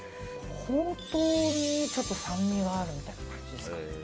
ほうとうに、ちょっと酸味があるみたいな感じですかね。